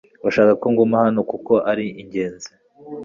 Urashaka ko nguma hano kuko ari ingenzi